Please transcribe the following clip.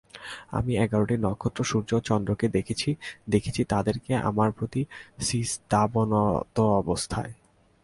আমি এগারটি নক্ষত্র, সূর্য ও চন্দ্রকে দেখেছি—দেখেছি তাদেরকে আমার প্রতি সিজদাবনত অবস্থায়।